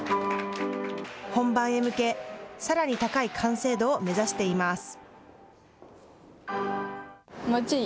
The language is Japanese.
本番へ向け、さらに高い完成度を目指しています。